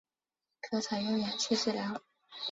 可采用氧气治疗。